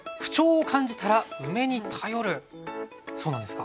そうなんですか？